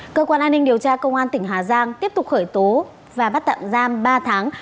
cơ quan an ninh điều tra công an tỉnh hà giang tiếp tục khởi tố và bắt tạm giam ba tháng